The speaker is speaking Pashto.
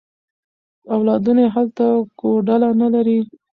اولادونه یې هلته کوډله نه لري.